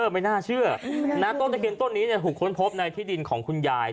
ไม่น่าเชื่อนะต้นตะเคียนต้นนี้ถูกค้นพบในที่ดินของคุณยาย